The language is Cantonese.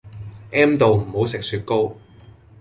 M 到唔好食雪糕